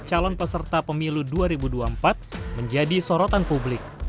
calon peserta pemilu dua ribu dua puluh empat menjadi sorotan publik